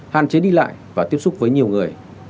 hạn chế đi lại và tiếp xúc với nhiều người